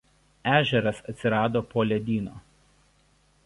Ežeras atsirado po ledyno.